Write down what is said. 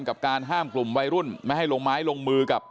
กับการห้ามกลุ่มวัยรุ่นไม่ให้ลงไม้ลงมือกับ